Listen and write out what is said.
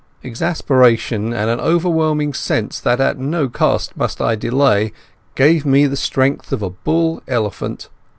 Exasperation and an overwhelming sense that at no cost must I delay gave me the strength of a bull elephant.